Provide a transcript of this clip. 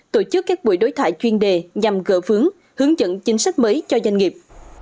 tổ chức các buổi đối thoại chuyên đề nhằm gỡ vướng hướng dẫn chính sách mới cho doanh nghiệp